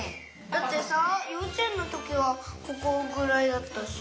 だってさようちえんのときはここぐらいだったし。